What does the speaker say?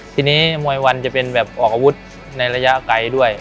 ทีนี้มวยวันจะเป็นแบบออกอาวุธในระยะไกลด้วย